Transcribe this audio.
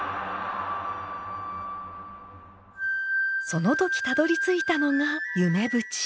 その時たどりついたのが夢淵。